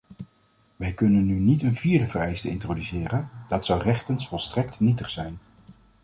Wij kunnen nu niet een vierde vereiste introduceren; dat zou rechtens volstrekt nietig zijn.